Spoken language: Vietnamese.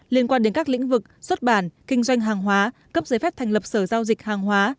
liên quan đến các lĩnh vực xuất bản kinh doanh hàng hóa cấp giấy phép thành lập sở giao dịch hàng hóa